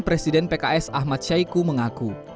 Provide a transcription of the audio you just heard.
presiden pks ahmad syaiqo mengaku